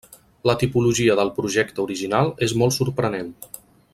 La tipologia del projecte original és molt sorprenent.